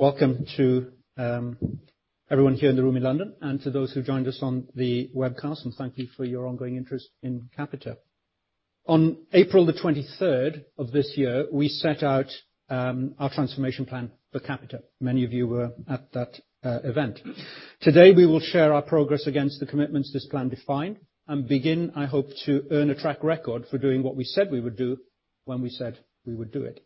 Welcome to everyone here in the room in London, and to those who joined us on the webcast, thank you for your ongoing interest in Capita. On April the 23rd of this year, we set out our transformation plan for Capita. Many of you were at that event. Today, we will share our progress against the commitments this plan defined, and begin, I hope, to earn a track record for doing what we said we would do when we said we would do it.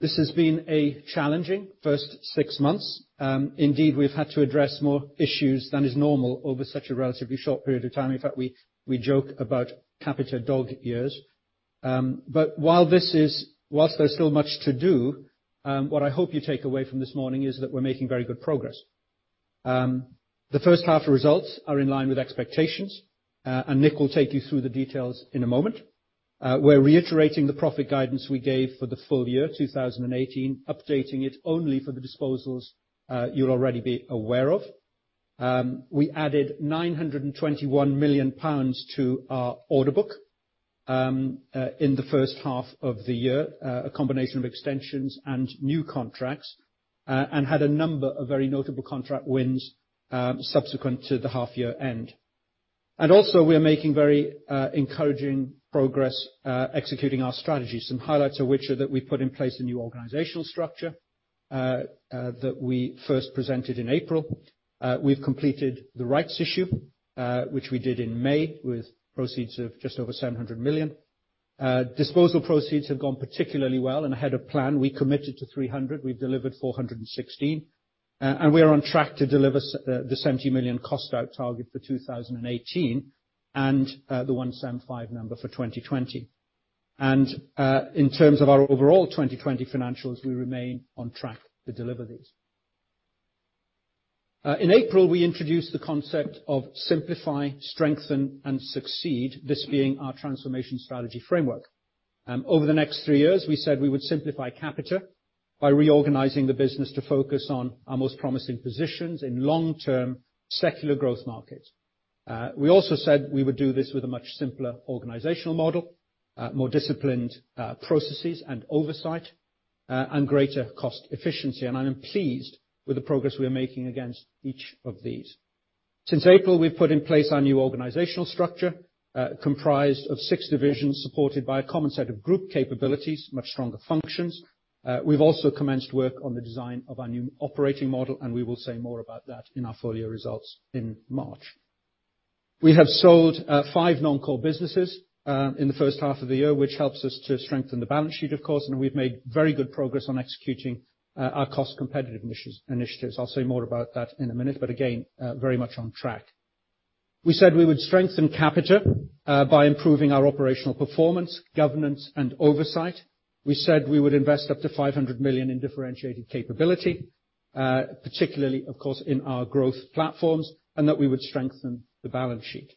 This has been a challenging first six months. Indeed, we've had to address more issues than is normal over such a relatively short period of time. In fact, we joke about Capita dog years. Whilst there's still much to do, what I hope you take away from this morning is that we're making very good progress. The first half results are in line with expectations, Nick will take you through the details in a moment. We're reiterating the profit guidance we gave for the full year 2018, updating it only for the disposals you'll already be aware of. We added 921 million pounds to our order book in the first half of the year, a combination of extensions and new contracts, and had a number of very notable contract wins subsequent to the half year end. We are making very encouraging progress executing our strategy, some highlights of which are that we put in place a new organizational structure, that we first presented in April. We've completed the rights issue, which we did in May, with proceeds of just over 700 million. Disposal proceeds have gone particularly well and ahead of plan. We committed to 300 million, we've delivered 416 million. We are on track to deliver the 70 million cost out target for 2018, and the 175 million for 2020. In terms of our overall 2020 financials, we remain on track to deliver these. In April, we introduced the concept of Simplify, Strengthen, and Succeed, this being our transformation strategy framework. Over the next three years, we said we would simplify Capita by reorganizing the business to focus on our most promising positions in long-term, secular growth markets. We also said we would do this with a much simpler organizational model, more disciplined processes and oversight, and greater cost efficiency. I am pleased with the progress we are making against each of these. Since April, we've put in place our new organizational structure, comprised of six divisions supported by a common set of group capabilities, much stronger functions. We've also commenced work on the design of our new operating model, and we will say more about that in our full year results in March. We have sold five non-core businesses in the first half of the year, which helps us to strengthen the balance sheet, of course, and we've made very good progress on executing our cost competitive initiatives. I'll say more about that in a minute, but again, very much on track. We said we would strengthen Capita by improving our operational performance, governance, and oversight. We said we would invest up to 500 million in differentiated capability, particularly, of course, in our growth platforms, and that we would strengthen the balance sheet.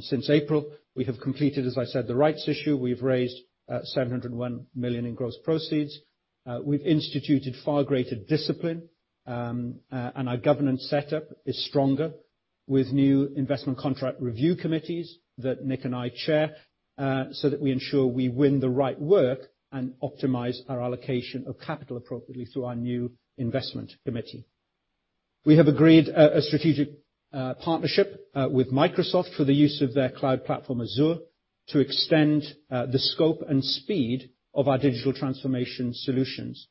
Since April, we have completed, as I said, the rights issue. We've raised 701 million in gross proceeds. We've instituted far greater discipline. Our governance setup is stronger with new investment contract review committees that Nick and I chair, so that we ensure we win the right work and optimize our allocation of capital appropriately through our new investment committee. We have agreed a strategic partnership with Microsoft for the use of their cloud platform, Azure, to extend the scope and speed of our digital transformation solutions.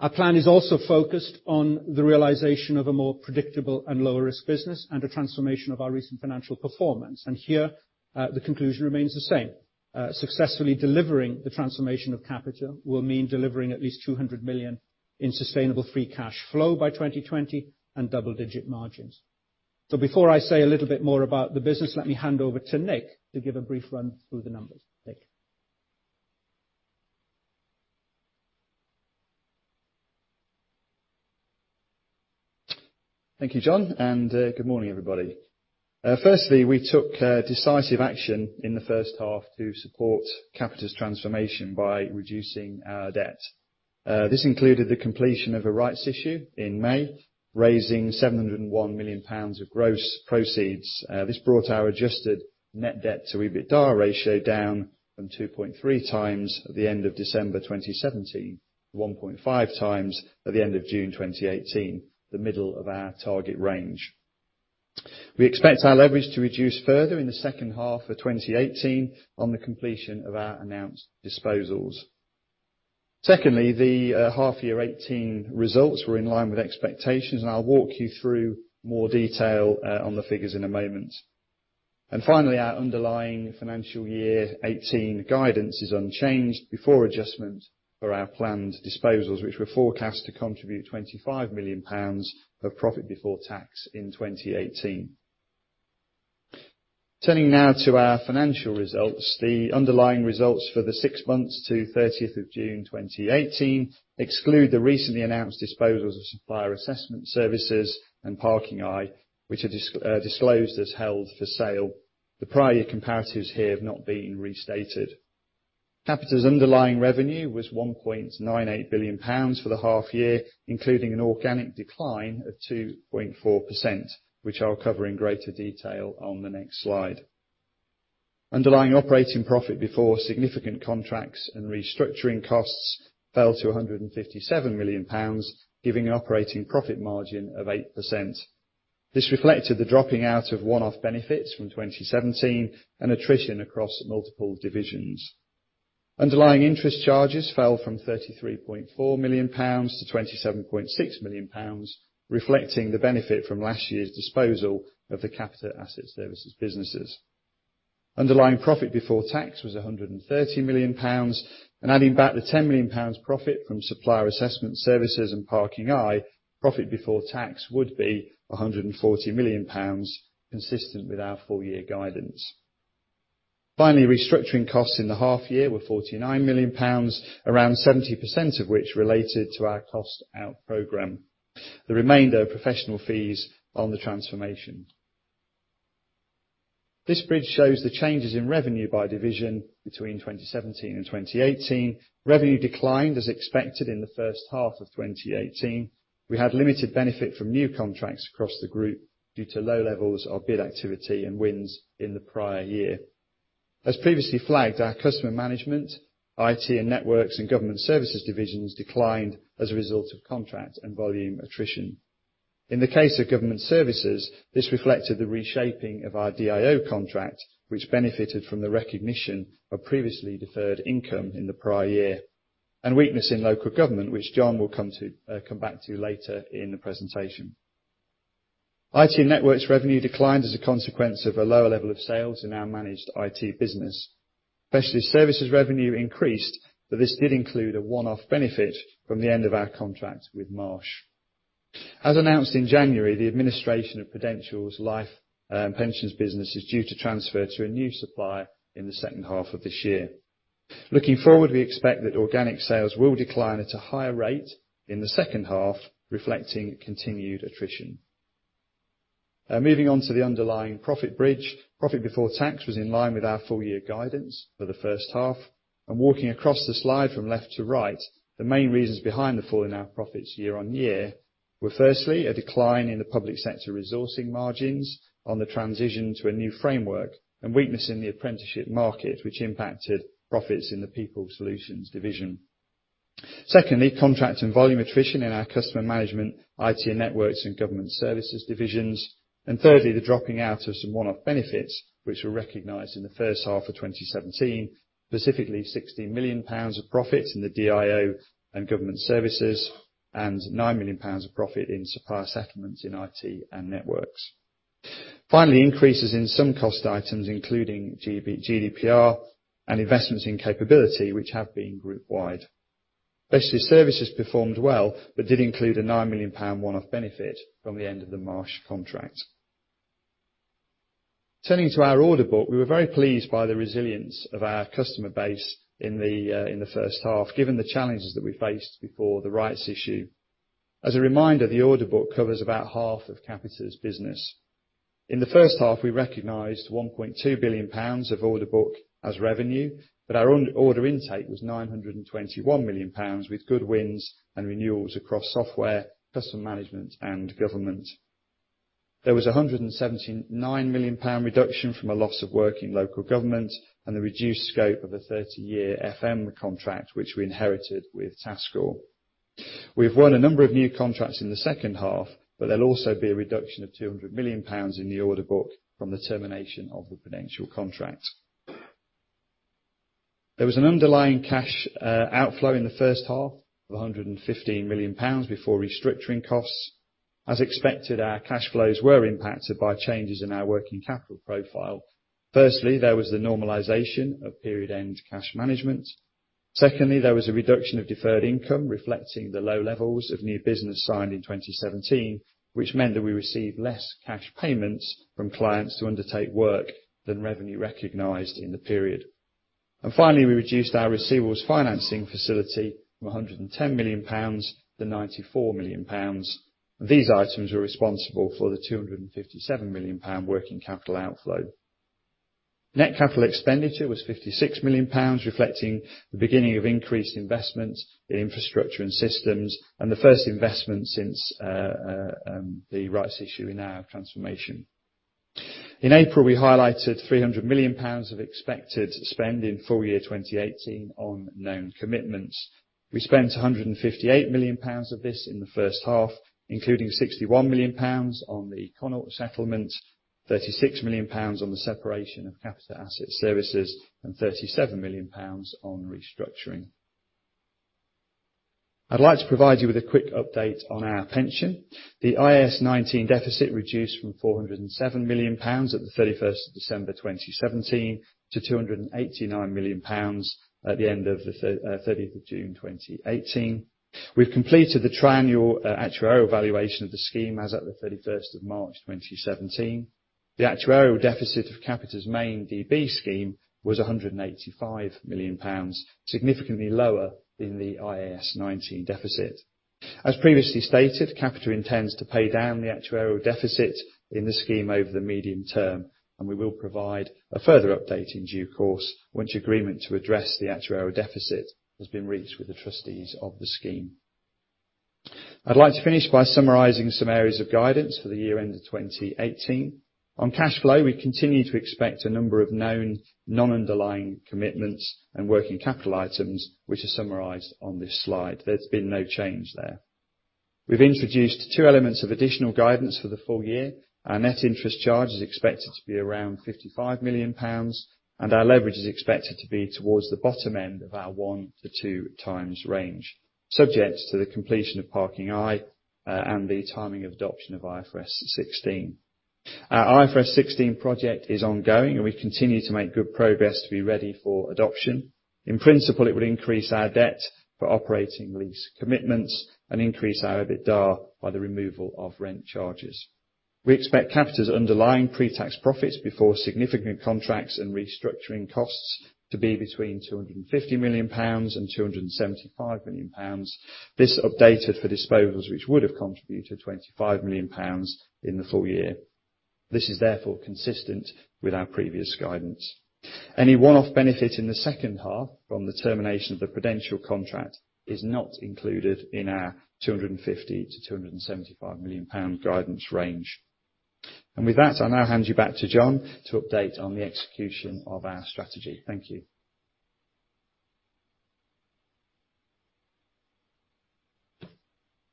Our plan is also focused on the realization of a more predictable and lower risk business, and a transformation of our recent financial performance. Here, the conclusion remains the same. Successfully delivering the transformation of Capita will mean delivering at least 200 million in sustainable free cash flow by 2020 and double-digit margins. Before I say a little bit more about the business, let me hand over to Nick to give a brief run through the numbers. Nick? Thank you, John, and good morning, everybody. Firstly, we took decisive action in the first half to support Capita's transformation by reducing our debt. This included the completion of a rights issue in May, raising 701 million pounds of gross proceeds. This brought our adjusted net debt to EBITDA ratio down from 2.3 times at the end of December 2017 to 1.5 times at the end of June 2018, the middle of our target range. We expect our leverage to reduce further in the second half of 2018 on the completion of our announced disposals. Secondly, the half year 2018 results were in line with expectations, and I'll walk you through more detail on the figures in a moment. Finally, our underlying financial year 2018 guidance is unchanged before adjustment for our planned disposals, which were forecast to contribute 25 million pounds of profit before tax in 2018. Turning now to our financial results. The underlying results for the six months to 30th of June 2018 exclude the recently announced disposals of Supplier Assessment Services and ParkingEye, which are disclosed as held for sale. The prior year comparatives here have not been restated. Capita's underlying revenue was 1.98 billion pounds for the half year, including an organic decline of 2.4%, which I'll cover in greater detail on the next slide. Underlying operating profit before significant contracts and restructuring costs fell to 157 million pounds, giving an operating profit margin of 8%. This reflected the dropping out of one-off benefits from 2017 and attrition across multiple divisions. Underlying interest charges fell from GBP 33.4 million to GBP 27.6 million, reflecting the benefit from last year's disposal of the Capita Asset Services businesses. Underlying profit before tax was 130 million pounds. Adding back the 10 million pounds profit from Supplier Assessment Services and ParkingEye, profit before tax would be 140 million pounds, consistent with our full-year guidance. Finally, restructuring costs in the half year were 49 million pounds, around 70% of which related to our cost out program. The remainder are professional fees on the transformation. This bridge shows the changes in revenue by division between 2017 and 2018. Revenue declined as expected in the first half of 2018. We had limited benefit from new contracts across the group due to low levels of bid activity and wins in the prior year. As previously flagged, our customer management, IT and networks, and government services divisions declined as a result of contract and volume attrition. In the case of government services, this reflected the reshaping of our DIO contract, which benefited from the recognition of previously deferred income in the prior year, and weakness in local government, which John will come back to later in the presentation. IT and networks revenue declined as a consequence of a lower level of sales in our managed IT business. Specialty services revenue increased, but this did include a one-off benefit from the end of our contract with Marsh. As announced in January, the administration of Prudential's life and pensions business is due to transfer to a new supplier in the second half of this year. Looking forward, we expect that organic sales will decline at a higher rate in the second half, reflecting continued attrition. Moving on to the underlying profit bridge. Profit before tax was in line with our full-year guidance for the first half. Walking across the slide from left to right, the main reasons behind the fall in our profits year-on-year were firstly, a decline in the public sector resourcing margins on the transition to a new framework, and weakness in the apprenticeship market, which impacted profits in the People Solutions division. Secondly, contract and volume attrition in our customer management, IT and networks, and government services divisions. Thirdly, the dropping out of some one-off benefits, which were recognized in the first half of 2017, specifically 16 million pounds of profit in the DIO and government services, and 9 million pounds of profit in supplier settlements in IT and networks. Finally, increases in some cost items, including GDPR and investments in capability, which have been group-wide. Specialty services performed well but did include a 9 million pound one-off benefit from the end of the Marsh contract. Turning to our order book, we were very pleased by the resilience of our customer base in the first half, given the challenges that we faced before the rights issue. As a reminder, the order book covers about half of Capita's business. In the first half, we recognized 1.2 billion pounds of order book as revenue, but our order intake was 921 million pounds, with good wins and renewals across software, customer management, and government. There was 179 million pound reduction from a loss of work in local government and the reduced scope of a 30-year FM contract, which we inherited with Tasker. We've won a number of new contracts in the second half, but there'll also be a reduction of 200 million pounds in the order book from the termination of the Prudential contract. There was an underlying cash outflow in the first half of 115 million pounds before restructuring costs. As expected, our cash flows were impacted by changes in our working capital profile. Firstly, there was the normalization of period-end cash management. Secondly, there was a reduction of deferred income, reflecting the low levels of new business signed in 2017, which meant that we received less cash payments from clients to undertake work than revenue recognized in the period. Finally, we reduced our receivables financing facility from GBP 110 million to GBP 94 million. These items are responsible for the GBP 257 million working capital outflow. Net capital expenditure was GBP 56 million, reflecting the beginning of increased investments in infrastructure and systems, and the first investment since the rights issue in our transformation. In April, we highlighted 300 million pounds of expected spend in full-year 2018 on known commitments. We spent 158 million pounds of this in the first half, including 61 million pounds on the Connaught settlement, 36 million pounds on the separation of Capita Asset Services, and 37 million pounds on restructuring. I'd like to provide you with a quick update on our pension. The IAS 19 deficit reduced from 407 million pounds at the 31st of December 2017 to 289 million pounds at the end of the 30th of June 2018. We've completed the triennial actuarial valuation of the scheme as at the 31st of March 2017. The actuarial deficit of Capita's main DB scheme was 185 million pounds, significantly lower than the IAS 19 deficit. As previously stated, Capita intends to pay down the actuarial deficit in the scheme over the medium term, and we will provide a further update in due course once agreement to address the actuarial deficit has been reached with the trustees of the scheme. I'd like to finish by summarizing some areas of guidance for the year end of 2018. On cash flow, we continue to expect a number of known non-underlying commitments and working capital items, which are summarized on this slide. There's been no change there. We've introduced two elements of additional guidance for the full year. Our net interest charge is expected to be around 55 million pounds, and our leverage is expected to be towards the bottom end of our one to two times range, subject to the completion of ParkingEye, and the timing of adoption of IFRS 16. Our IFRS 16 project is ongoing, and we continue to make good progress to be ready for adoption. In principle, it would increase our debt for operating lease commitments and increase our EBITDA by the removal of rent charges. We expect Capita's underlying pre-tax profits before significant contracts and restructuring costs to be between 250 million pounds and 275 million pounds. This updated for disposals, which would have contributed 25 million pounds in the full year. This is therefore consistent with our previous guidance. Any one-off benefit in the second half from the termination of the Prudential contract is not included in our 250 million to 275 million pound guidance range. With that, I'll now hand you back to John to update on the execution of our strategy. Thank you.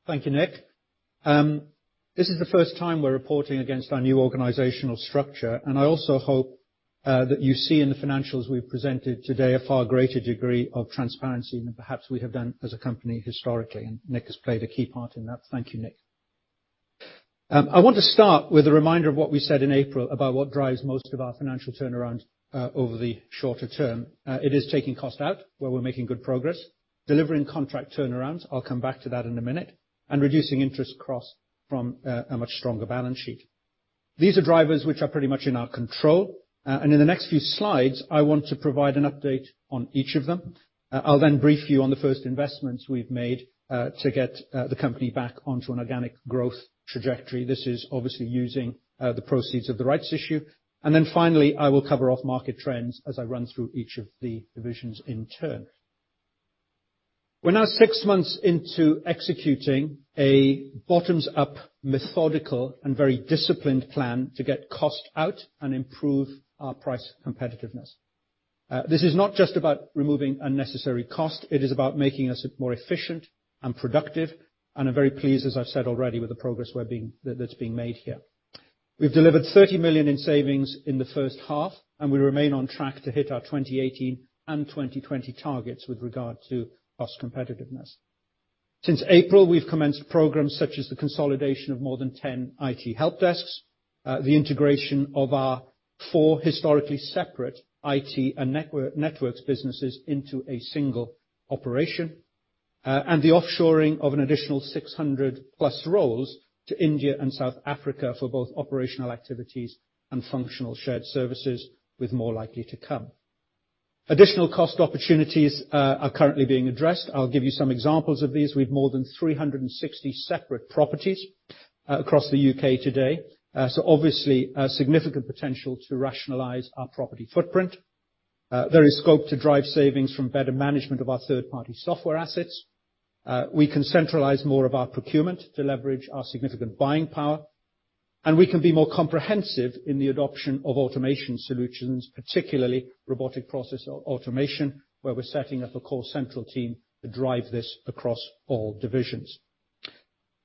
Thank you, Nick. This is the first time we're reporting against our new organizational structure, and I also hope that you see in the financials we've presented today a far greater degree of transparency than perhaps we have done as a company historically, and Nick has played a key part in that. Thank you, Nick. I want to start with a reminder of what we said in April about what drives most of our financial turnaround over the shorter term. It is taking cost out, where we're making good progress, delivering contract turnarounds, I'll come back to that in a minute, and reducing interest across from a much stronger balance sheet. These are drivers which are pretty much in our control. In the next few slides, I want to provide an update on each of them. I'll brief you on the first investments we've made to get the company back onto an organic growth trajectory. This is obviously using the proceeds of the rights issue. Finally, I will cover off market trends as I run through each of the divisions in turn. We're now six months into executing a bottoms-up, methodical, and very disciplined plan to get cost out and improve our price competitiveness. This is not just about removing unnecessary cost. It is about making us more efficient and productive, and I'm very pleased, as I've said already, with the progress that's being made here. We've delivered 30 million in savings in the first half, and we remain on track to hit our 2018 and 2020 targets with regard to cost competitiveness. Since April, we've commenced programs such as the consolidation of more than 10 IT help desks, the integration of our four historically separate IT and networks businesses into a single operation, and the offshoring of an additional 600 plus roles to India and South Africa for both operational activities and functional shared services, with more likely to come. Additional cost opportunities are currently being addressed. I'll give you some examples of these. We have more than 360 separate properties across the U.K. today. Obviously, a significant potential to rationalize our property footprint. There is scope to drive savings from better management of our third-party software assets. We can centralize more of our procurement to leverage our significant buying power. We can be more comprehensive in the adoption of automation solutions, particularly robotic process automation, where we're setting up a core central team to drive this across all divisions.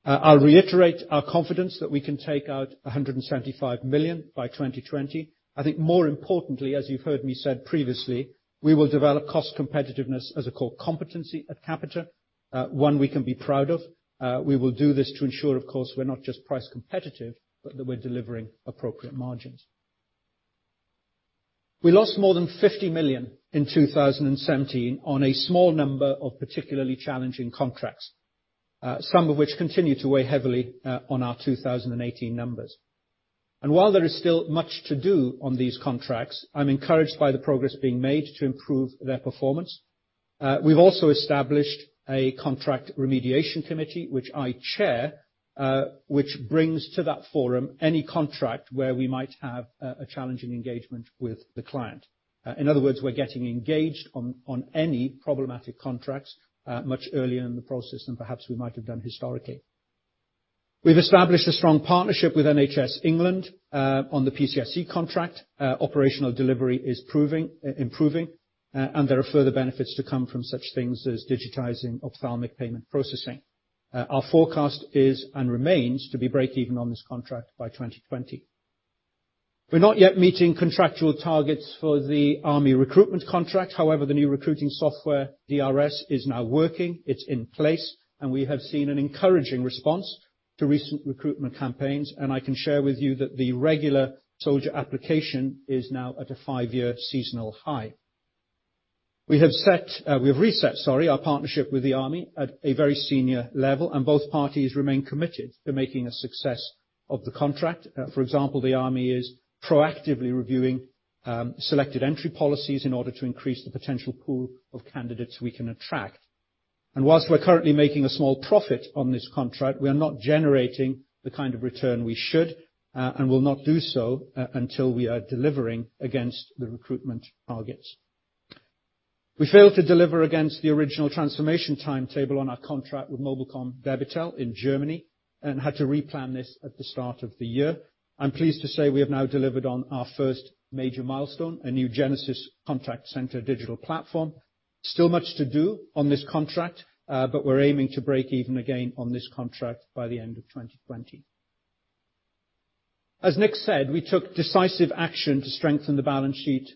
I'll reiterate our confidence that we can take out 175 million by 2020. I think more importantly, as you've heard me say previously, we will develop cost competitiveness as a core competency at Capita, one we can be proud of. We will do this to ensure, of course, we're not just price competitive, but that we're delivering appropriate margins. We lost more than 50 million in 2017 on a small number of particularly challenging contracts, some of which continue to weigh heavily on our 2018 numbers. While there is still much to do on these contracts, I'm encouraged by the progress being made to improve their performance. We've also established a contract remediation committee, which I chair, which brings to that forum any contract where we might have a challenging engagement with the client. In other words, we're getting engaged on any problematic contracts much earlier in the process than perhaps we might have done historically. We've established a strong partnership with NHS England on the PCSE contract. Operational delivery is improving. There are further benefits to come from such things as digitizing ophthalmic payment processing. Our forecast is and remains to be breakeven on this contract by 2020. We're not yet meeting contractual targets for the Army recruitment contract. However, the new recruiting software, DRS, is now working. It's in place. We have seen an encouraging response to recent recruitment campaigns. I can share with you that the regular soldier application is now at a five-year seasonal high. We have reset our partnership with the Army at a very senior level. Both parties remain committed to making a success of the contract. For example, the Army is proactively reviewing selected entry policies in order to increase the potential pool of candidates we can attract. Whilst we're currently making a small profit on this contract, we are not generating the kind of return we should, and will not do so until we are delivering against the recruitment targets. We failed to deliver against the original transformation timetable on our contract with Mobilcom-Debitel in Germany, and had to replan this at the start of the year. I'm pleased to say we have now delivered on our first major milestone, a new Genesys contact center digital platform. Still much to do on this contract, but we're aiming to break even again on this contract by the end of 2020. As Nick said, we took decisive action to strengthen the balance sheet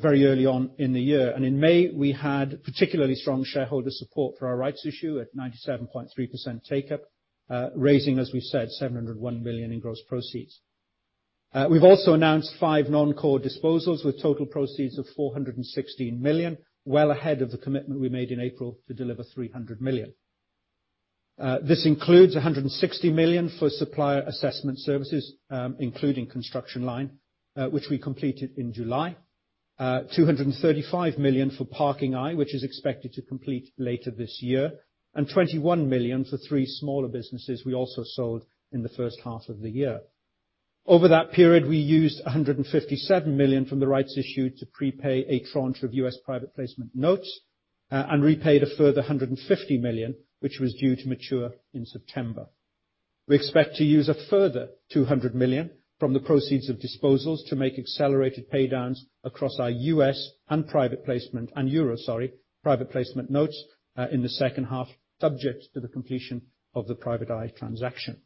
very early on in the year. In May, we had particularly strong shareholder support for our rights issue at 97.3% take-up, raising, as we said, 701 million in gross proceeds. We've also announced five non-core disposals, with total proceeds of 416 million, well ahead of the commitment we made in April to deliver 300 million. This includes 160 million for Supplier Assessment Services, including Constructionline, which we completed in July. 235 million for ParkingEye, which is expected to complete later this year, and 21 million for three smaller businesses we also sold in the first half of the year. Over that period, we used 157 million from the rights issue to prepay a tranche of U.S. private placement notes, and repaid a further 150 million, which was due to mature in September. We expect to use a further 200 million from the proceeds of disposals to make accelerated pay-downs across our U.S. and EUR private placement notes in the second half, subject to the completion of the ParkingEye transaction.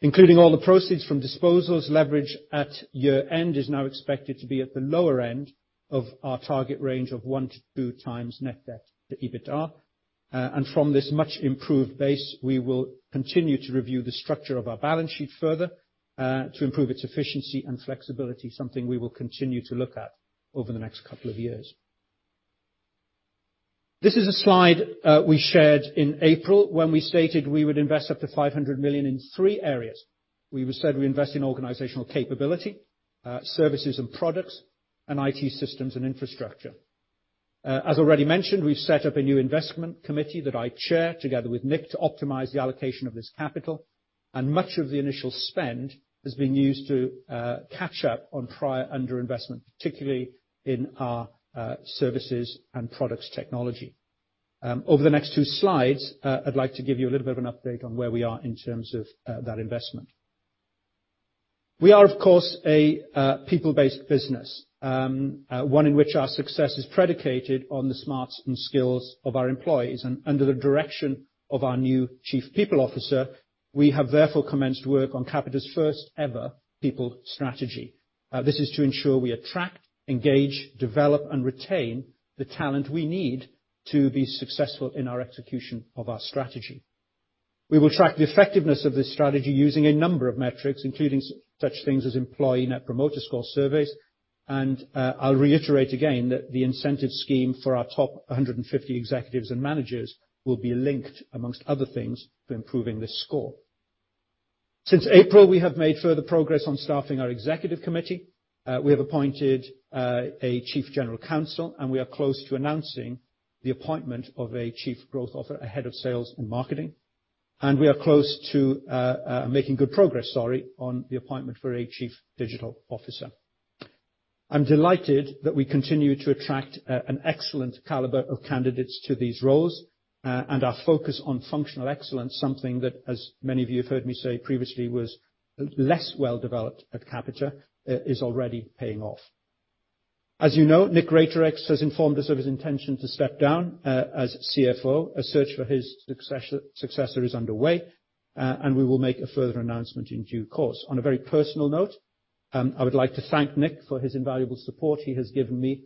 Including all the proceeds from disposals, leverage at year-end is now expected to be at the lower end of our target range of one to two times net debt to EBITDA. From this much improved base, we will continue to review the structure of our balance sheet further to improve its efficiency and flexibility, something we will continue to look at over the next couple of years. This is a slide we shared in April when we stated we would invest up to 500 million in three areas. We said we invest in organizational capability, services and products, and IT systems and infrastructure. As already mentioned, we've set up a new investment committee that I chair together with Nick to optimize the allocation of this capital. Much of the initial spend has been used to catch up on prior underinvestment, particularly in our services and products technology. Over the next two slides, I'd like to give you a little bit of an update on where we are in terms of that investment. We are, of course, a people-based business, one in which our success is predicated on the smarts and skills of our employees. Under the direction of our new chief people officer, we have therefore commenced work on Capita's first ever people strategy. This is to ensure we attract, engage, develop, and retain the talent we need to be successful in our execution of our strategy. We will track the effectiveness of this strategy using a number of metrics, including such things as employee net promoter score surveys. I'll reiterate again that the incentive scheme for our top 150 executives and managers will be linked, amongst other things, to improving this score. Since April, we have made further progress on staffing our executive committee. We have appointed a chief general counsel, we are close to announcing the appointment of a chief growth officer, a head of sales and marketing, we are close to making good progress on the appointment for a chief digital officer. I'm delighted that we continue to attract an excellent caliber of candidates to these roles, our focus on functional excellence, something that, as many of you have heard me say previously, was less well-developed at Capita, is already paying off. As you know, Nick Greatorex has informed us of his intention to step down as CFO. A search for his successor is underway, we will make a further announcement in due course. On a very personal note, I would like to thank Nick for his invaluable support he has given me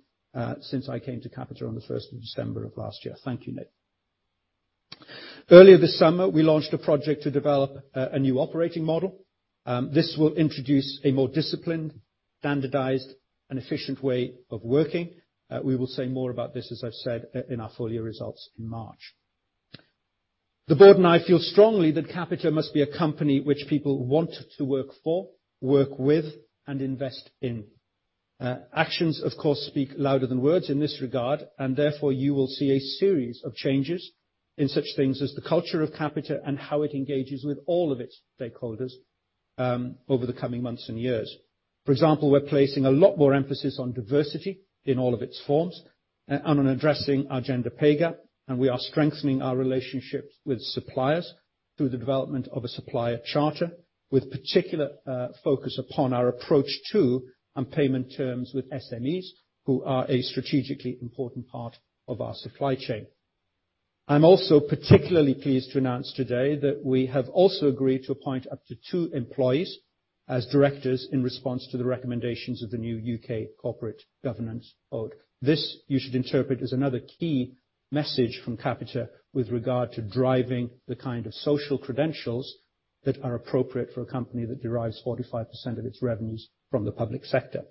since I came to Capita on the 1st of December of last year. Thank you, Nick. Earlier this summer, we launched a project to develop a new operating model. This will introduce a more disciplined, standardized, and efficient way of working. We will say more about this, as I've said, in our full year results in March. The board and I feel strongly that Capita must be a company which people want to work for, work with, and invest in. Actions, of course, speak louder than words in this regard, therefore, you will see a series of changes in such things as the culture of Capita and how it engages with all of its stakeholders over the coming months and years. For example, we're placing a lot more emphasis on diversity in all of its forms and on addressing our gender pay gap, we are strengthening our relationships with suppliers through the development of a supplier charter, with particular focus upon our approach to and payment terms with SMEs, who are a strategically important part of our supply chain. I'm also particularly pleased to announce today that we have also agreed to appoint up to two employees as directors in response to the recommendations of the new UK Corporate Governance Code. This you should interpret as another key message from Capita with regard to driving the kind of social credentials that are appropriate for a company that derives 45% of its revenues from the public sector.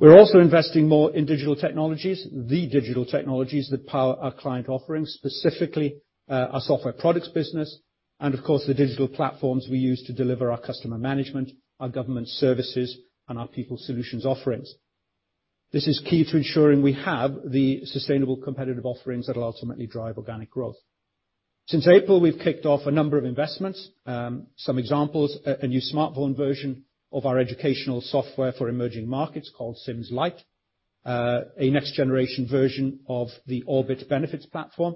We're also investing more in digital technologies, the digital technologies that power our client offerings, specifically our software products business, of course, the digital platforms we use to deliver our customer management, our government services, and our people solutions offerings. This is key to ensuring we have the sustainable competitive offerings that will ultimately drive organic growth. Since April, we've kicked off a number of investments. Some examples, a new smartphone version of our educational software for emerging markets called SIMS Lite, a next-generation version of the Orbit benefits platform,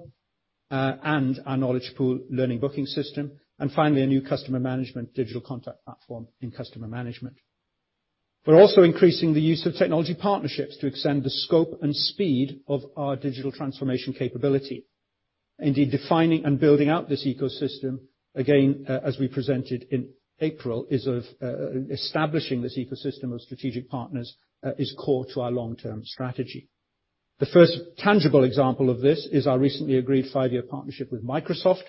and our Knowledge Pool learning booking system. Finally, a new customer management digital contact platform in customer management. We're also increasing the use of technology partnerships to extend the scope and speed of our digital transformation capability. Indeed, defining and building out this ecosystem, again, as we presented in April, establishing this ecosystem of strategic partners is core to our long-term strategy. The first tangible example of this is our recently agreed five-year partnership with Microsoft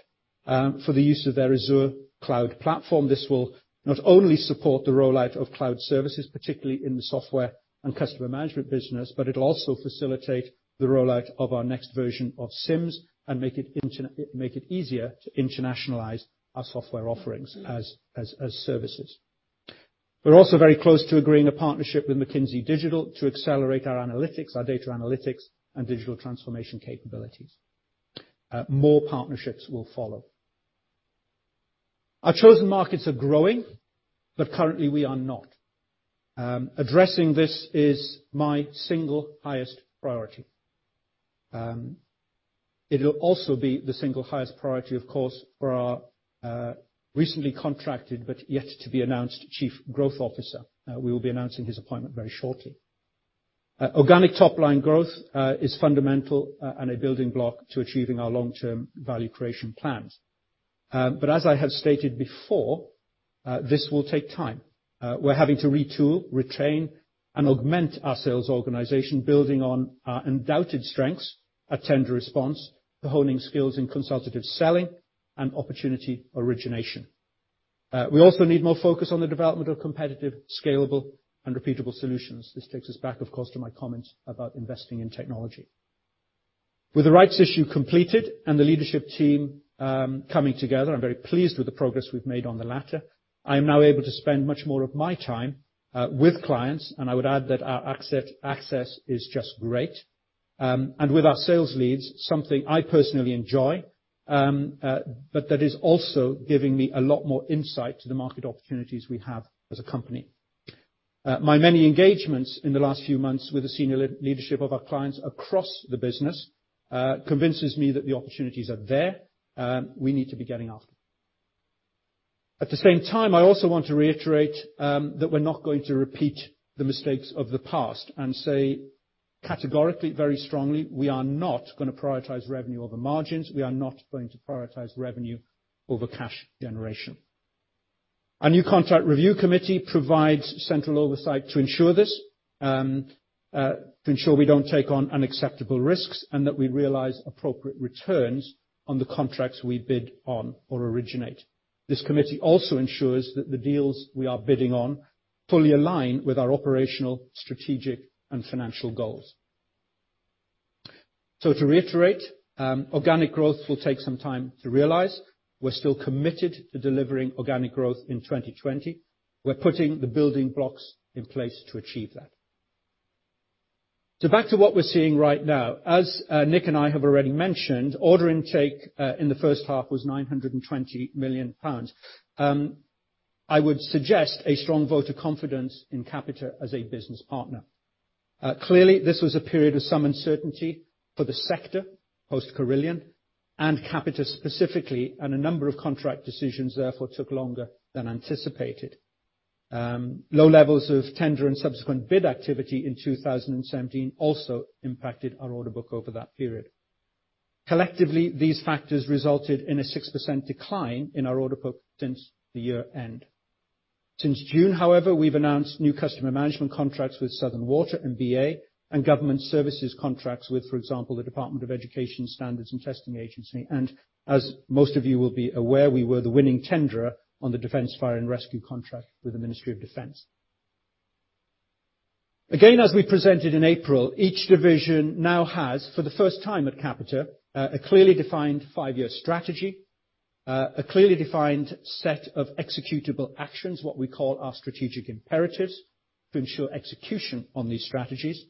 for the use of their Azure cloud platform. This will not only support the rollout of cloud services, particularly in the software and customer management business, but it'll also facilitate the rollout of our next version of SIMS and make it easier to internationalize our software offerings as services. We're also very close to agreeing a partnership with McKinsey Digital to accelerate our data analytics and digital transformation capabilities. More partnerships will follow. Our chosen markets are growing, currently we are not. Addressing this is my single highest priority. It'll also be the single highest priority, of course, for our recently contracted, yet to be announced, chief growth officer. We will be announcing his appointment very shortly. Organic top-line growth is fundamental and a building block to achieving our long-term value creation plans. As I have stated before, this will take time. We're having to retool, retrain, and augment our sales organization, building on our undoubted strengths, our tender response to honing skills in consultative selling and opportunity origination. We also need more focus on the development of competitive, scalable, and repeatable solutions. This takes us back, of course, to my comments about investing in technology. With the rights issue completed and the leadership team coming together, I'm very pleased with the progress we've made on the latter. I am now able to spend much more of my time with clients, I would add that our access is just great. With our sales leads, something I personally enjoy, but that is also giving me a lot more insight to the market opportunities we have as a company. My many engagements in the last few months with the senior leadership of our clients across the business convinces me that the opportunities are there. We need to be getting after them. At the same time, I also want to reiterate that we're not going to repeat the mistakes of the past and say categorically, very strongly, we are not going to prioritize revenue over margins. We are not going to prioritize revenue over cash generation. Our new contract review committee provides central oversight to ensure this, to ensure we don't take on unacceptable risks, and that we realize appropriate returns on the contracts we bid on or originate. This committee also ensures that the deals we are bidding on fully align with our operational, strategic, and financial goals. To reiterate, organic growth will take some time to realize. We're still committed to delivering organic growth in 2020. We're putting the building blocks in place to achieve that. Back to what we're seeing right now. As Nick and I have already mentioned, order intake in the first half was 920 million pounds. I would suggest a strong vote of confidence in Capita as a business partner. Clearly, this was a period of some uncertainty for the sector post Carillion, and Capita specifically, and a number of contract decisions therefore took longer than anticipated. Low levels of tender and subsequent bid activity in 2017 also impacted our order book over that period. Collectively, these factors resulted in a 6% decline in our order book since the year-end. Since June, however, we've announced new customer management contracts with Southern Water and BA, government services contracts with, for example, the Department for Education Standards and Testing Agency. As most of you will be aware, we were the winning tenderer on the Defence Fire and Rescue contract with the Ministry of Defence. As we presented in April, each division now has, for the first time at Capita, a clearly defined five-year strategy, a clearly defined set of executable actions, what we call our strategic imperatives, to ensure execution on these strategies,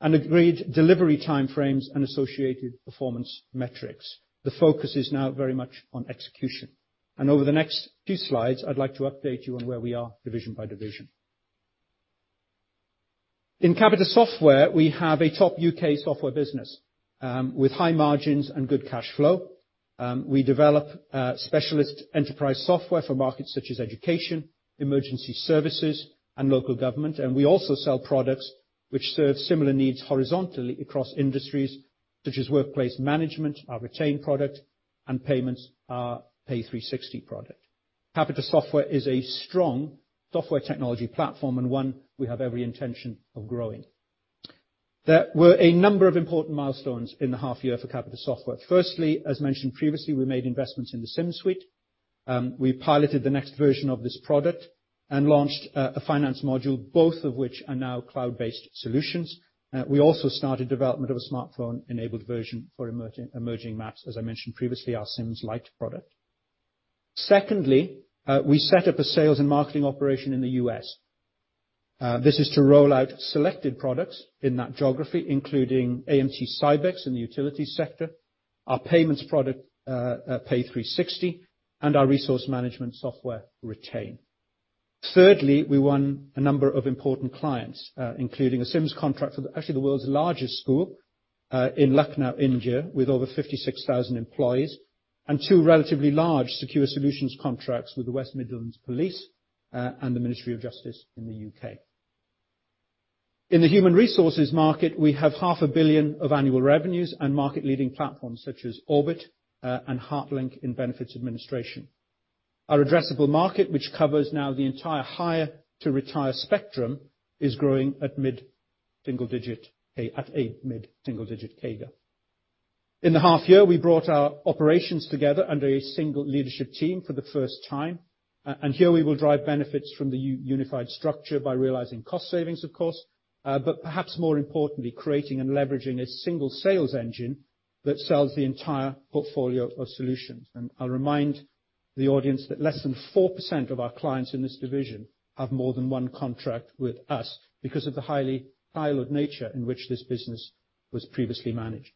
and agreed delivery time frames and associated performance metrics. The focus is now very much on execution. Over the next few slides, I'd like to update you on where we are division by division. In Capita Software, we have a top U.K. software business with high margins and good cash flow. We develop specialist enterprise software for markets such as education, emergency services, and local government. We also sell products which serve similar needs horizontally across industries such as workplace management, our Retain product, and payments, our Pay360 product. Capita Software is a strong software technology platform and one we have every intention of growing. There were a number of important milestones in the half year for Capita Software. Firstly, as mentioned previously, we made investments in the SIMS suite. We piloted the next version of this product and launched a finance module, both of which are now cloud-based solutions. We also started development of a smartphone-enabled version for emerging markets, as I mentioned previously, our SIMS Lite product. Secondly, we set up a sales and marketing operation in the U.S. This is to roll out selected products in that geography, including AMT-Sybex in the utilities sector, our payments product, Pay360, and our resource management software, Retain. Thirdly, we won a number of important clients, including a SIMS contract for actually the world's largest school in Lucknow, India, with over 56,000 employees, and two relatively large secure solutions contracts with the West Midlands Police and the Ministry of Justice in the U.K. In the human resources market, we have half a billion of annual revenues and market-leading platforms such as Orbit and Hartlink in benefits administration. Our addressable market, which covers now the entire hire-to-retire spectrum, is growing at a mid-single-digit CAGR. In the half year, we brought our operations together under a single leadership team for the first time, and here we will drive benefits from the unified structure by realizing cost savings, of course, but perhaps more importantly, creating and leveraging a single sales engine that sells the entire portfolio of solutions. I'll remind the audience that less than 4% of our clients in this division have more than one contract with us because of the highly siloed nature in which this business was previously managed.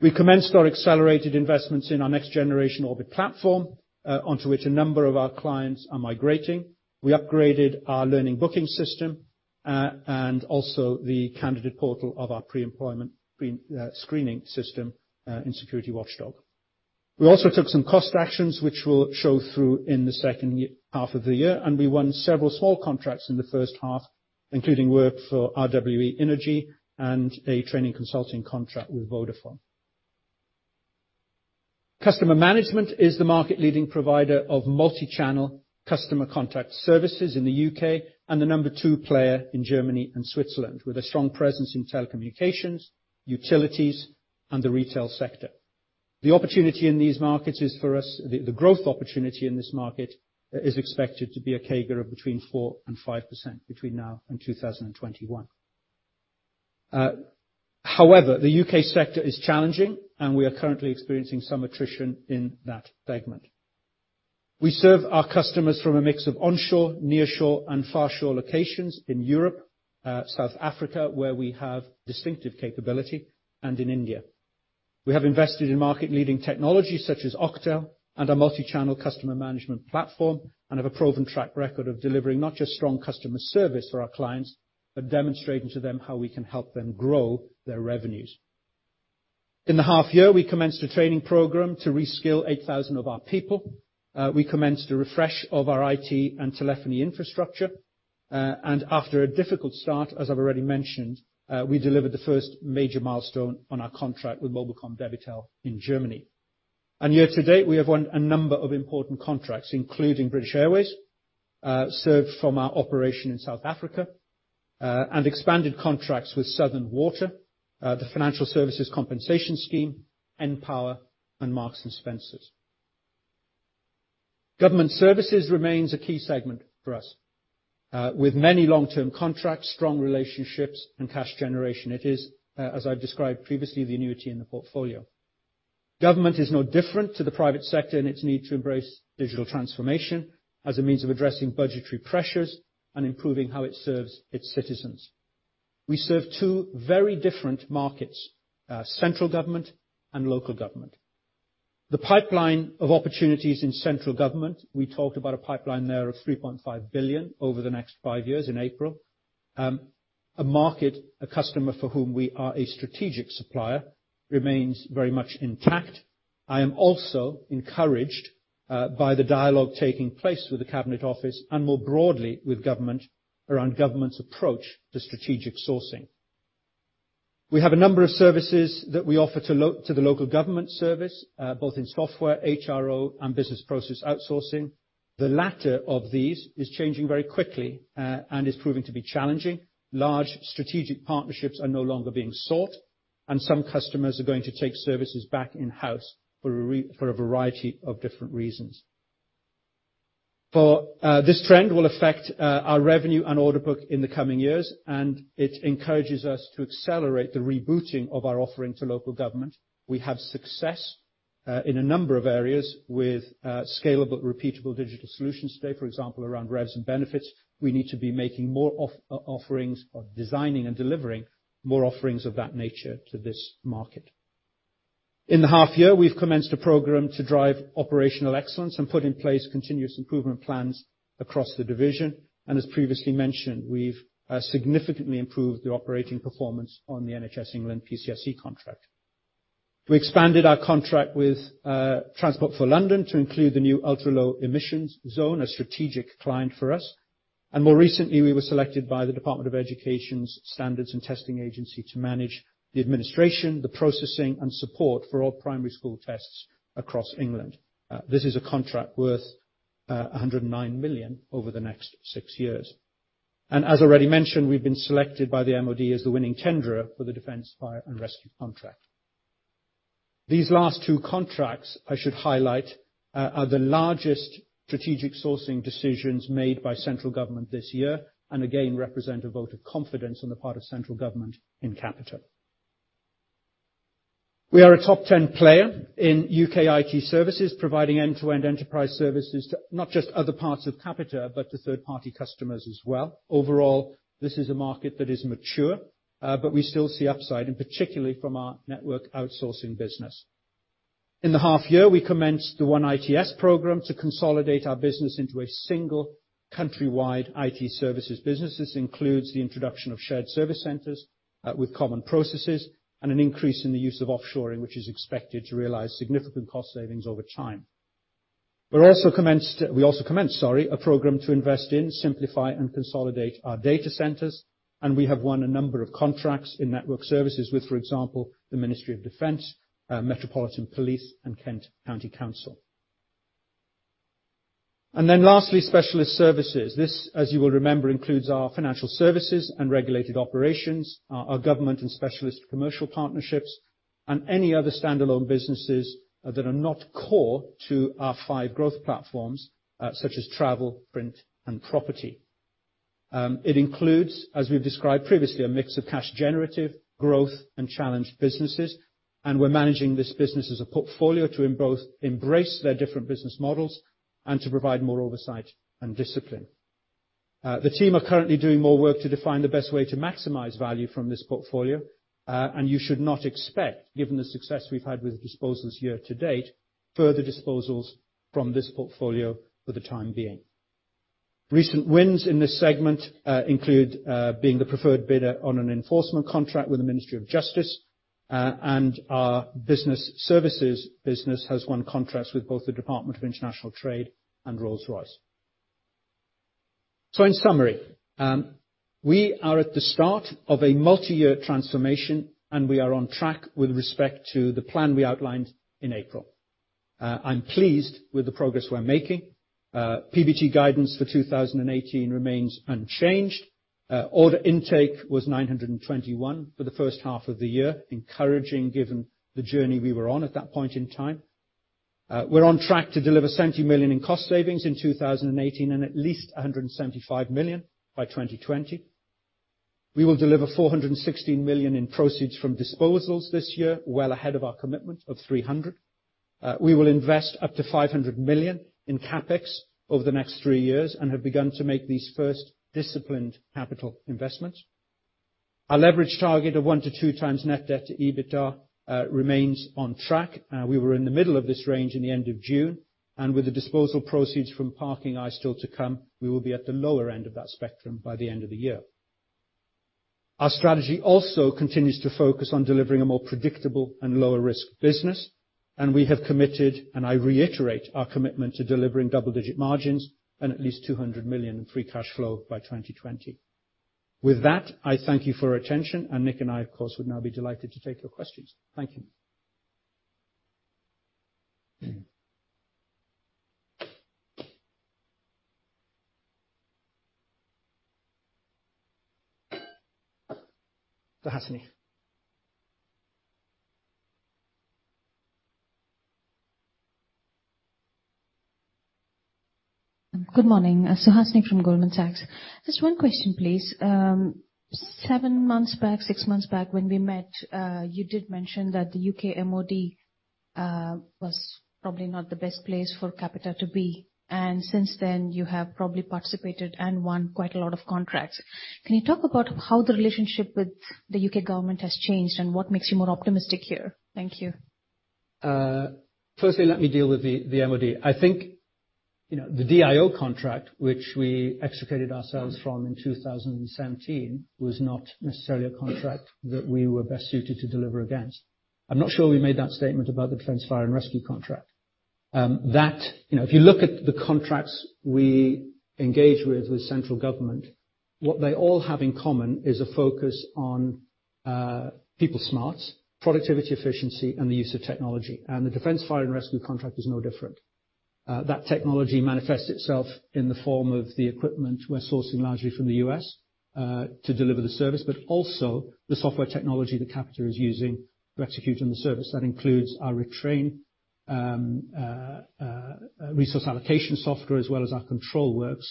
We commenced our accelerated investments in our next generation Orbit platform, onto which a number of our clients are migrating. We upgraded our learning booking system, and also the candidate portal of our pre-employment screening system in Security Watchdog. We also took some cost actions, which will show through in the second half of the year. We won several small contracts in the first half, including work for RWE and a training consulting contract with Vodafone. Customer management is the market leading provider of multi-channel customer contact services in the U.K. and the number 2 player in Germany and Switzerland, with a strong presence in telecommunications, utilities, and the retail sector. The opportunity in these markets is for us, the growth opportunity in this market is expected to be a CAGR of between 4% and 5% between now and 2021. However, the U.K. sector is challenging, and we are currently experiencing some attrition in that segment. We serve our customers from a mix of onshore, nearshore, and far shore locations in Europe, South Africa, where we have distinctive capability, and in India. We have invested in market leading technologies such as Octo and our multi-channel customer management platform, and have a proven track record of delivering not just strong customer service for our clients, but demonstrating to them how we can help them grow their revenues. In the half year, we commenced a training program to reskill 8,000 of our people. We commenced a refresh of our IT and telephony infrastructure. After a difficult start, as I've already mentioned, we delivered the first major milestone on our contract with Mobilcom-Debitel in Germany. Year to date, we have won a number of important contracts, including British Airways, served from our operation in South Africa, and expanded contracts with Southern Water, the Financial Services Compensation Scheme, Npower, and Marks & Spencer. Government services remains a key segment for us. With many long-term contracts, strong relationships, and cash generation, it is, as I've described previously, the annuity in the portfolio. Government is no different to the private sector in its need to embrace digital transformation as a means of addressing budgetary pressures and improving how it serves its citizens. We serve two very different markets, central government and local government. The pipeline of opportunities in central government, we talked about a pipeline there of 3.5 billion over the next 5 years in April. A market, a customer for whom we are a strategic supplier remains very much intact. I am also encouraged by the dialogue taking place with the Cabinet Office and more broadly with government around government's approach to strategic sourcing. We have a number of services that we offer to the local government service, both in software, HRO, and business process outsourcing. The latter of these is changing very quickly and is proving to be challenging. Large strategic partnerships are no longer being sought, and some customers are going to take services back in-house for a variety of different reasons. This trend will affect our revenue and order book in the coming years, and it encourages us to accelerate the rebooting of our offering to local government. We have success in a number of areas with scalable, repeatable digital solutions today, for example, around revs and benefits. We need to be making more offerings or designing and delivering more offerings of that nature to this market. In the half year, we've commenced a program to drive operational excellence and put in place continuous improvement plans across the division. As previously mentioned, we've significantly improved the operating performance on the NHS England PCSE contract. We expanded our contract with Transport for London to include the new Ultra Low Emission Zone, a strategic client for us. More recently, we were selected by the Department for Education's Standards and Testing Agency to manage the administration, the processing, and support for all primary school tests across England. This is a contract worth 109 million over the next 6 years. As already mentioned, we've been selected by the MOD as the winning tenderer for the Defence Fire and Rescue contract. These last two contracts, I should highlight, are the largest strategic sourcing decisions made by central government this year. Again, represent a vote of confidence on the part of central government in Capita. We are a top 10 player in U.K. IT services, providing end-to-end enterprise services to not just other parts of Capita, but to third-party customers as well. Overall, this is a market that is mature, but we still see upside, and particularly from our network outsourcing business. In the half year, we commenced the One ITS program to consolidate our business into a single countrywide IT services business. This includes the introduction of shared service centers with common processes, and an increase in the use of offshoring, which is expected to realize significant cost savings over time. We also commenced a program to invest in, simplify, and consolidate our data centers, and we have won a number of contracts in network services with, for example, the Ministry of Defence, Metropolitan Police, and Kent County Council. Lastly, Specialist Services. This, as you will remember, includes our financial services and regulated operations, our government and specialist commercial partnerships, and any other standalone businesses that are not core to our five growth platforms, such as travel, print, and property. It includes, as we've described previously, a mix of cash-generative, growth, and challenged businesses, and we're managing this business as a portfolio to embrace their different business models, and to provide more oversight and discipline. The team are currently doing more work to define the best way to maximize value from this portfolio. You should not expect, given the success we've had with disposals year-to-date, further disposals from this portfolio for the time being. Recent wins in this segment include being the preferred bidder on an enforcement contract with the Ministry of Justice, and our business services business has won contracts with both the Department for International Trade and Rolls-Royce. In summary, we are at the start of a multi-year transformation. We are on track with respect to the plan we outlined in April. I'm pleased with the progress we're making. PBT guidance for 2018 remains unchanged. Order intake was 921 for the first half of the year, encouraging given the journey we were on at that point in time. We're on track to deliver 70 million in cost savings in 2018, and at least 175 million by 2020. We will deliver 416 million in proceeds from disposals this year, well ahead of our commitment of 300. We will invest up to 500 million in CapEx over the next three years, have begun to make these first disciplined capital investments. Our leverage target of 1 to 2 times net debt to EBITDA remains on track. We were in the middle of this range in the end of June, with the disposal proceeds from ParkingEye still to come, we will be at the lower end of that spectrum by the end of the year. Our strategy also continues to focus on delivering a more predictable and lower risk business, we have committed, and I reiterate our commitment to delivering double-digit margins and at least 200 million in free cash flow by 2020. With that, I thank you for your attention, and Nick and I, of course, would now be delighted to take your questions. Thank you. Suhasini. Good morning. Suhasini from Goldman Sachs. Just one question, please. Seven months back, six months back when we met, you did mention that the U.K. MOD was probably not the best place for Capita to be. Since then, you have probably participated and won quite a lot of contracts. Can you talk about how the relationship with the U.K. government has changed, what makes you more optimistic here? Thank you. Firstly, let me deal with the MOD. I think the DIO contract, which we extricated ourselves from in 2017, was not necessarily a contract that we were best suited to deliver against. I'm not sure we made that statement about the Defence Fire and Rescue contract. If you look at the contracts we engage with central government, what they all have in common is a focus on people smarts, productivity efficiency, and the use of technology. The Defence Fire and Rescue contract is no different. That technology manifests itself in the form of the equipment we're sourcing largely from the U.S. to deliver the service, but also the software technology that Capita is using to execute on the service. That includes our Retain resource allocation software, as well as our ControlWorks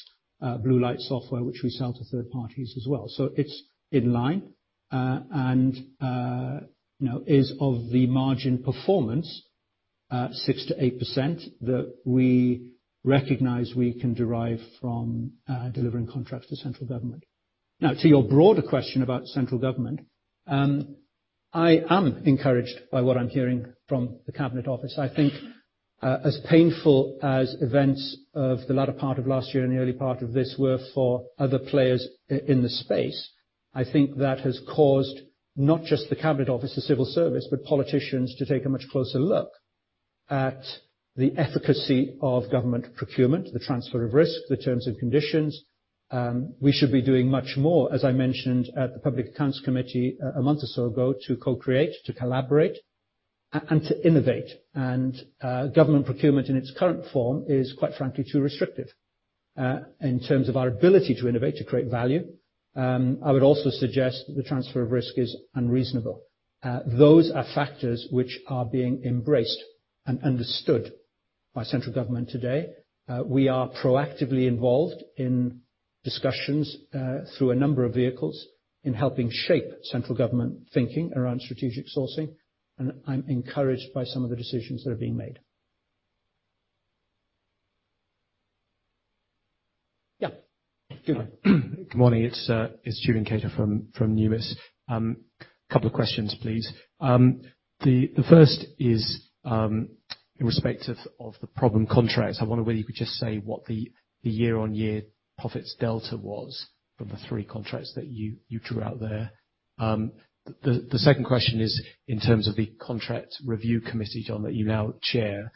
Blue Light software, which we sell to third parties as well. It's in line. Is of the margin performance, 6%-8%, that we recognize we can derive from delivering contracts to central government. Now, to your broader question about central government, I am encouraged by what I'm hearing from the Cabinet Office. I think as painful as events of the latter part of last year and the early part of this were for other players in the space, I think that has caused not just the Cabinet Office, the civil service, but politicians to take a much closer look at the efficacy of government procurement, the transfer of risk, the terms and conditions. We should be doing much more, as I mentioned at the Public Accounts Committee a month or so ago, to co-create, to collaborate, and to innovate. Government procurement in its current form is, quite frankly, too restrictive in terms of our ability to innovate, to create value. I would also suggest that the transfer of risk is unreasonable. Those are factors which are being embraced and understood by central government today. We are proactively involved in discussions through a number of vehicles in helping shape central government thinking around strategic sourcing, and I am encouraged by some of the decisions that are being made. Yeah. Julian. Good morning. It is Julian Cater from Numis. Couple of questions, please. The first is, in respect of the problem contracts, I wonder whether you could just say what the year-on-year profits delta was from the three contracts that you drew out there. The second question is in terms of the contract review committee, John, that you now chair.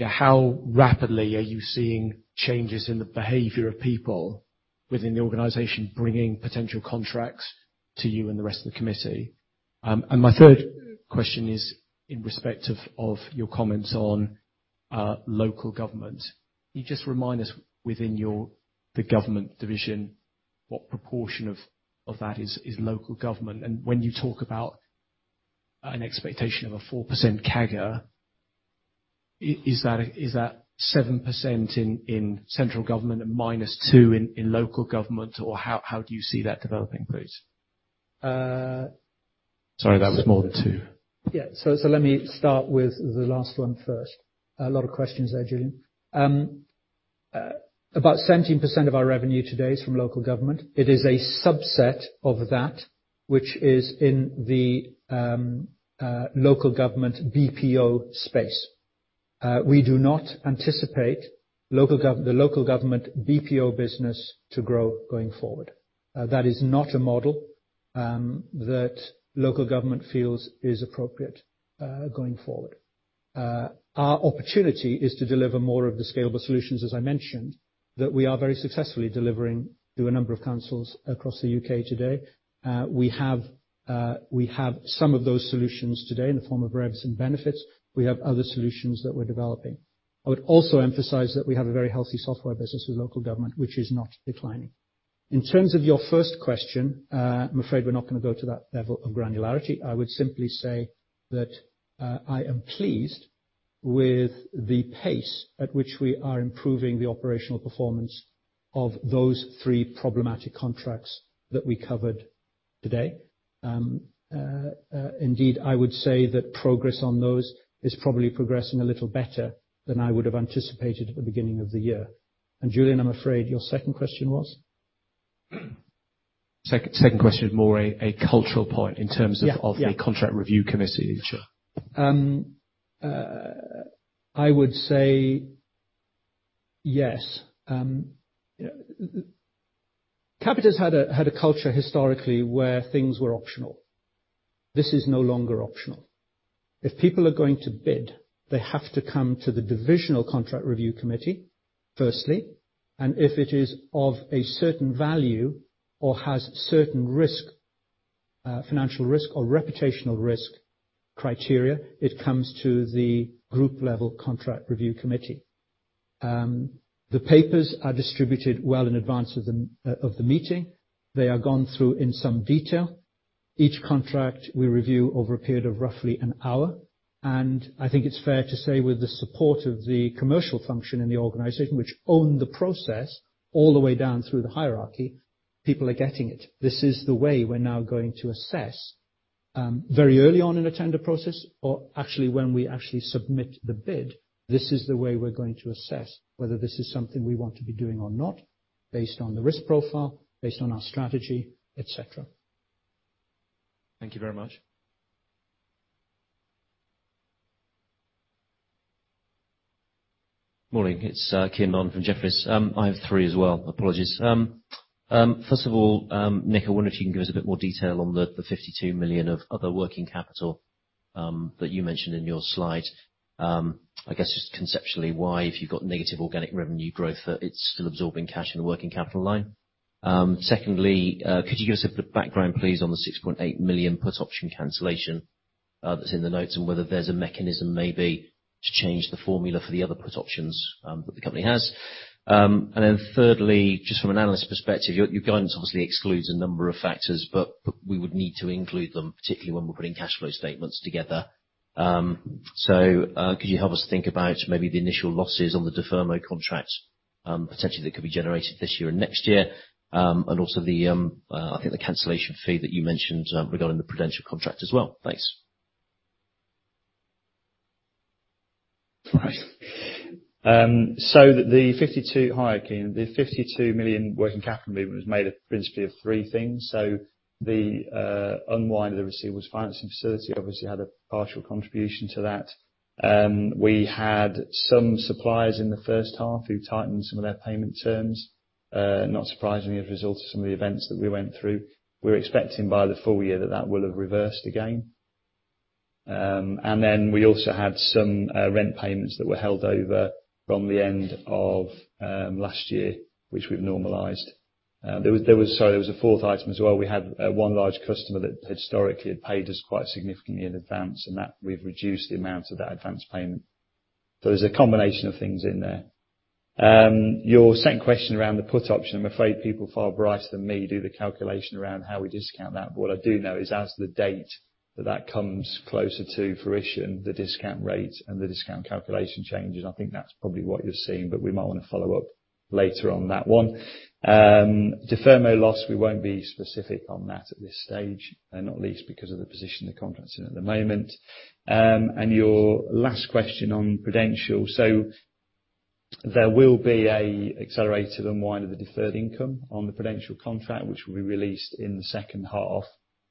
How rapidly are you seeing changes in the behavior of people within the organization, bringing potential contracts to you and the rest of the committee? My third question is in respect of your comments on local government. Can you just remind us within the government division, what proportion of that is local government? When you talk about an expectation of a 4% CAGR, is that 7% in central government and minus 2% in local government? Or how do you see that developing, please? Uh- Sorry, that was more than two. Yeah. Let me start with the last one first. A lot of questions there, Julian. About 17% of our revenue today is from local government. It is a subset of that which is in the local government BPO space. We do not anticipate the local government BPO business to grow going forward. That is not a model that local government feels is appropriate going forward. Our opportunity is to deliver more of the scalable solutions, as I mentioned, that we are very successfully delivering through a number of councils across the U.K. today. We have some of those solutions today in the form of revenues and benefits. We have other solutions that we are developing. I would also emphasize that we have a very healthy software business with local government, which is not declining. In terms of your first question, I'm afraid we're not going to go to that level of granularity. I would simply say that I am pleased with the pace at which we are improving the operational performance of those three problematic contracts that we covered today. Indeed, I would say that progress on those is probably progressing a little better than I would have anticipated at the beginning of the year. Julian, I'm afraid your second question was? Second question is more a cultural point in terms- Yeah of the contract review committee. Sure. I would say yes. Capita's had a culture historically where things were optional. This is no longer optional. If people are going to bid, they have to come to the Divisional Contract Review Committee firstly, if it is of a certain value or has certain financial risk or reputational risk criteria, it comes to the Group-level Contract Review Committee. The papers are distributed well in advance of the meeting. They are gone through in some detail. Each contract we review over a period of roughly an hour. I think it's fair to say with the support of the commercial function in the organization, which own the process all the way down through the hierarchy, people are getting it. This is the way we're now going to assess very early on in a tender process or when we actually submit the bid. This is the way we're going to assess whether this is something we want to be doing or not based on the risk profile, based on our strategy, et cetera. Thank you very much. Morning. It's Keir Long from Jefferies. I have three as well. Apologies. First of all, Nick, I wonder if you can give us a bit more detail on the 52 million of other working capital that you mentioned in your slide. I guess just conceptually why, if you've got negative organic revenue growth, it's still absorbing cash in the working capital line. Secondly, could you give us a bit of background, please, on the 6.8 million put option cancellation that's in the notes and whether there's a mechanism maybe to change the formula for the other put options that the company has? Thirdly, just from an analyst perspective, your guidance obviously excludes a number of factors, but we would need to include them, particularly when we're putting cash flow statements together. Could you help us think about maybe the initial losses on the deferment contracts, potentially that could be generated this year and next year? The, I think the cancellation fee that you mentioned regarding the Prudential contract as well. Thanks. Right. Hi, Keir. The 52 million working capital movement was made up principally of three things. The unwind of the receivables financing facility obviously had a partial contribution to that. We had some suppliers in the first half who tightened some of their payment terms. Not surprisingly, as a result of some of the events that we went through. We are expecting by the full year that that will have reversed again. We also had some rent payments that were held over from the end of last year, which we have normalized. Sorry, there was a fourth item as well. We had one large customer that historically had paid us quite significantly in advance, and we have reduced the amount of that advance payment. It is a combination of things in there. Your second question around the put option, I am afraid people far brighter than me do the calculation around how we discount that. What I do know is as the date that comes closer to fruition, the discount rate and the discount calculation changes. I think that is probably what you are seeing, but we might want to follow up later on that one. Deferment loss, we will not be specific on that at this stage, and not least because of the position the contract is in at the moment. Your last question on Prudential. There will be an accelerated unwind of the deferred income on the Prudential contract, which will be released in the second half.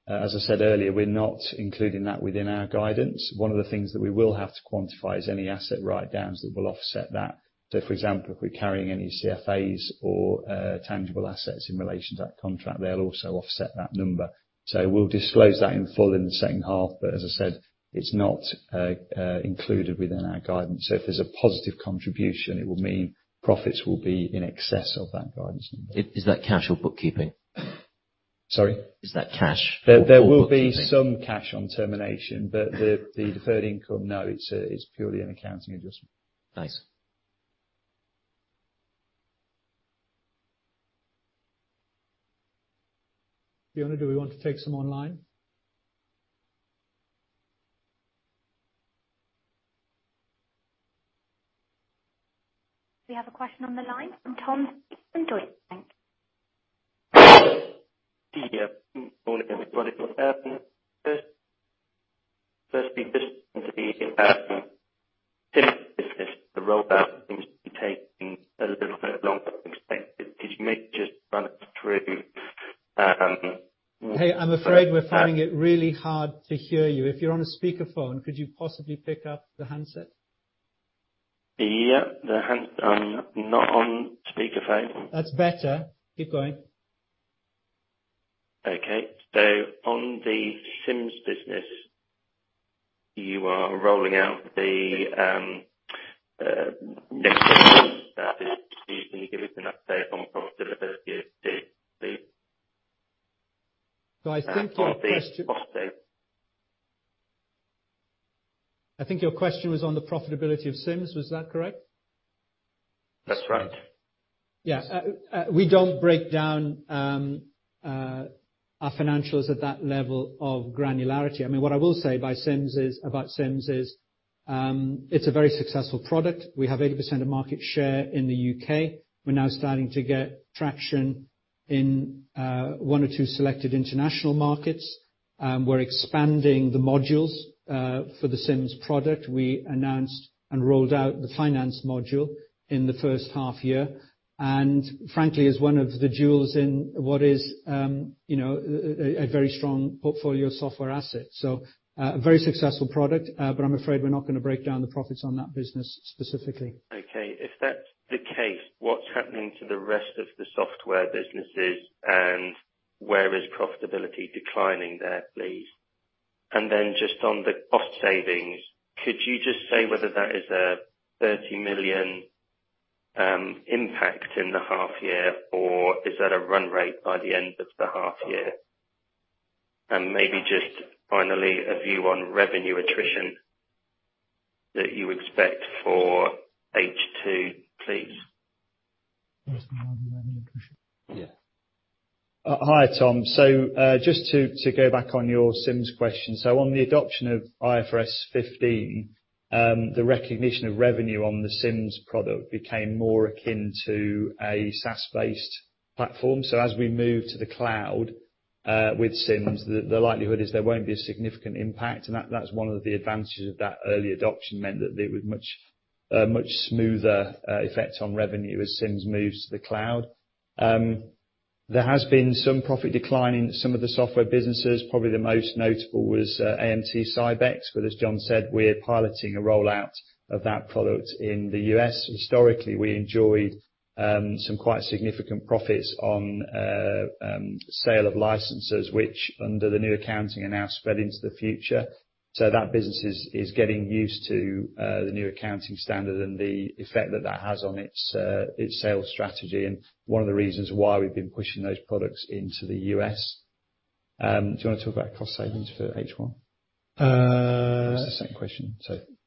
As I said earlier, we are not including that within our guidance. One of the things that we will have to quantify is any asset write-downs that will offset that. For example, if we are carrying any CFAs or tangible assets in relation to that contract, they will also offset that number. We will disclose that in full in the second half. As I said, it is not included within our guidance. If there is a positive contribution, it will mean profits will be in excess of that guidance number. Is that cash or bookkeeping? Sorry? Is that cash or bookkeeping? The deferred income, no, it's purely an accounting adjustment. Thanks. Fiona, do we want to take some online? We have a question on the line from Tom Joyce, thanks. Yeah. All good. Firstly, just on the impact on SIMS business, the rollout seems to be taking a little bit longer than expected. Could you maybe just run us through? Hey, I'm afraid we're finding it really hard to hear you. If you're on a speakerphone, could you possibly pick up the handset? Yeah, the handset. I'm not on speakerphone. That's better. Keep going. Okay. on the SIMS business, you are rolling out the Yeah. Can you give us an update on profitability of SIMS, please? I think your question. Cost saves. I think your question was on the profitability of SIMS. Was that correct? That's right. Yeah. We don't break down our financials at that level of granularity. What I will say about SIMS is, it's a very successful product. We have 80% of market share in the U.K. We're now starting to get traction in one or two selected international markets. We're expanding the modules for the SIMS product. We announced and rolled out the finance module in the first half year. Frankly, as one of the jewels in what is a very strong portfolio of software assets. A very successful product, I'm afraid we're not going to break down the profits on that business specifically. Okay. If that's the case, what's happening to the rest of the software businesses, where is profitability declining there, please? Then just on the cost savings, could you just say whether that is a 30 million impact in the half year, or is that a run rate by the end of the half year? Maybe just finally, a view on revenue attrition that you expect for H2, please. He wants to know on the revenue attrition. Yeah. Hi, Tom. Just to go back on your SIMS question. On the adoption of IFRS 15, the recognition of revenue on the SIMS product became more akin to a SaaS-based platform. As we move to the cloud with SIMS, the likelihood is there won't be a significant impact. That's one of the advantages of that early adoption, meant that there was much smoother effect on revenue as SIMS moves to the cloud. There has been some profit decline in some of the software businesses. Probably the most notable was AMT-Sybex, but as John said, we're piloting a rollout of that product in the U.S. Historically, we enjoyed some quite significant profits on sale of licenses, which under the new accounting are now spread into the future. That business is getting used to the new accounting standard and the effect that that has on its sales strategy, and one of the reasons why we've been pushing those products into the U.S. Do you want to talk about cost savings for H1? Uh- That was the second question.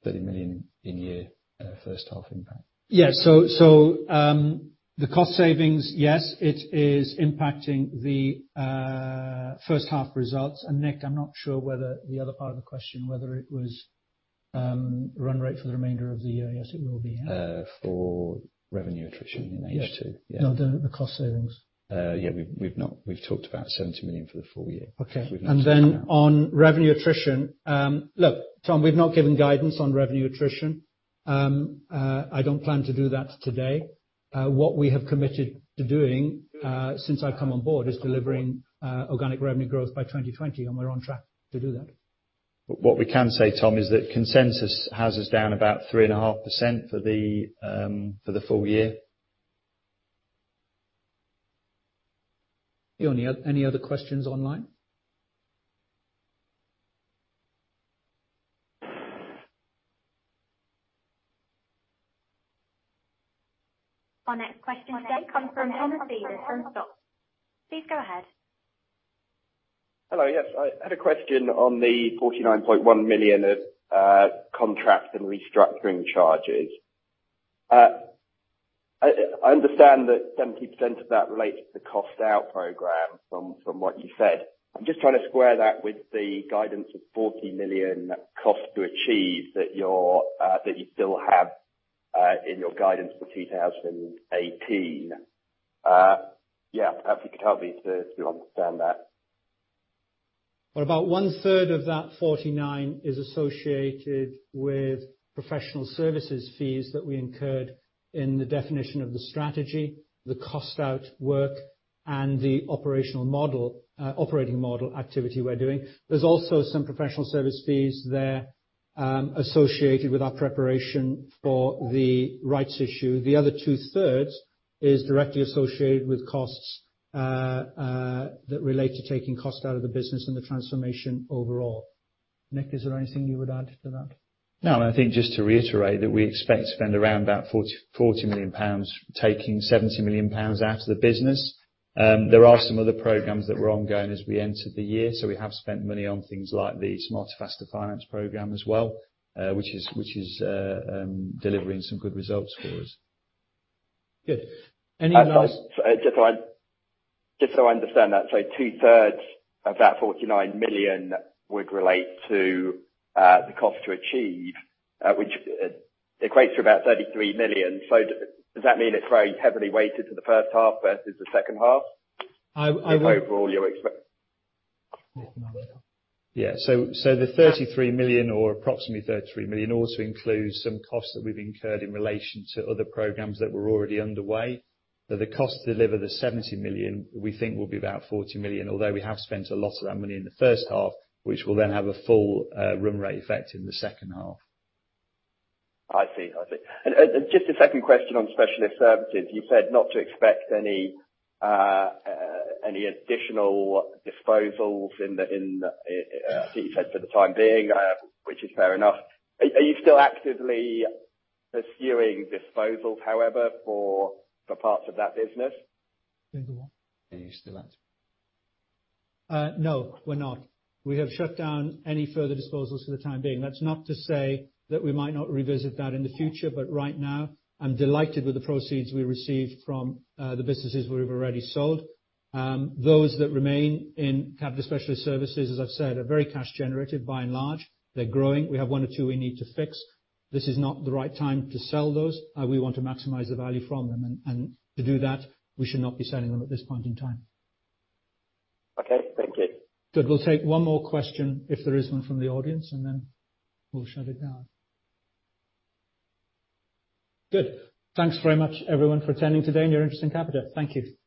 Thirty million in-year first half impact. Yeah. The cost savings, yes, it is impacting the first half results. Nick, I'm not sure whether the other part of the question, whether it was run rate for the remainder of the year. Yes, it will be. Yeah. For revenue attrition in H2. Yeah. No, the cost savings. Yeah. We've talked about 70 million for the full year. Okay. We've not broken it out. On revenue attrition. Look, Tom, we've not given guidance on revenue attrition. I don't plan to do that today. What we have committed to doing since I've come on board is delivering organic revenue growth by 2020, and we're on track to do that. What we can say, Tom, is that consensus has us down about three and a half % for the full year. Fiona, any other questions online? Our next question today comes from Thomas Thiele from Jefferies. Please go ahead. Hello. Yes, I had a question on the 49.1 million of contract and restructuring charges. I understand that 70% of that relates to the cost-out program from what you said. I am just trying to square that with the guidance of 40 million cost to achieve that you still have in your guidance for 2018. Perhaps you could help me to understand that. Well, about one-third of that 49 is associated with professional services fees that we incurred in the definition of the strategy, the cost-out work, and the operating model activity we are doing. There is also some professional service fees there associated with our preparation for the rights issue. The other two-thirds is directly associated with costs that relate to taking cost out of the business and the transformation overall. Nick, is there anything you would add to that? No, I think just to reiterate that we expect to spend around about 40 million pounds, taking 70 million pounds out of the business. There are some other programs that were ongoing as we entered the year. We have spent money on things like the Smarter Faster Finance program as well, which is delivering some good results for us. Good. Just so I understand that, two-thirds of that 49 million would relate to the cost to achieve, which equates to about 33 million. Does that mean it's very heavily weighted to the first half versus the second half? I would With the overall you expect. Nick, do you want to? Yeah. The 33 million or approximately 33 million also includes some costs that we've incurred in relation to other programs that were already underway. The cost to deliver the 70 million, we think, will be about 40 million, although we have spent a lot of that money in the first half, which will then have a full run rate effect in the second half. I see. Just a second question on Specialist Services. You said not to expect any additional disposals for the time being, which is fair enough. Are you still actively pursuing disposals, however, for parts of that business? Do you want to? Are you still at? No, we're not. We have shut down any further disposals for the time being. That's not to say that we might not revisit that in the future, but right now, I'm delighted with the proceeds we received from the businesses we've already sold. Those that remain in Capita Specialist Services, as I've said, are very cash generative, by and large. They're growing. We have one or two we need to fix. This is not the right time to sell those. We want to maximize the value from them, and to do that, we should not be selling them at this point in time. Okay. Thank you. Good. We'll take one more question if there is one from the audience, and then we'll shut it down. Good. Thanks very much, everyone, for attending today and your interest in Capita. Thank you.